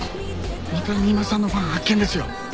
また三馬さんのファン発見ですよ。